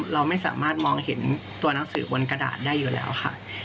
เราไม่สามารถมองเห็นตัวหนังสือบนกระดาษได้อยู่แล้วค่ะ